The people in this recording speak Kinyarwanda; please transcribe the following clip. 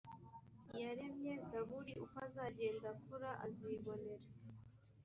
yaremye zaburi uko azagenda akura azibonera